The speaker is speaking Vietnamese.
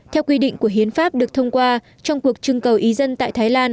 theo quy định của hiến pháp được thông qua trong cuộc trưng cầu ý dân tại thái lan